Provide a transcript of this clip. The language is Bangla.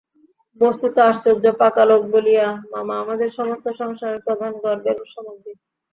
বস্তুত, আশ্চর্য পাকা লোক বলিয়া মামা আমাদের সমস্ত সংসারের প্রধান গর্বের সামগ্রী।